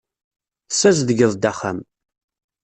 Tessazedgeḍ-d axxam.